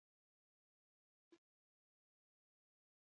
هغه د اواز پر څنډه ساکت ولاړ او فکر وکړ.